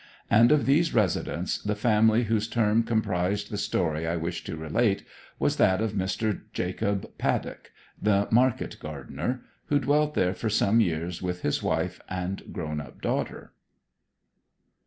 And of these residents the family whose term comprised the story I wish to relate was that of Mr. Jacob Paddock the market gardener, who dwelt there for some years with his wife and grown up daughter.